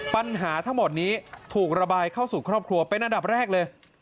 ปัญหาทั้งหมดนี้ถูกระบายเข้าสู่ครอบครัวเป็นอันดับแรกเลย